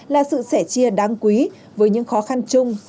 là sự sẻ chia đáng quý với những khó khăn chung do dịch bệnh